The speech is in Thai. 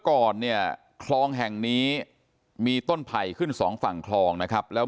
ก่อนเนี่ยคลองแห่งนี้มีต้นไผ่ขึ้นสองฝั่งคลองนะครับแล้ว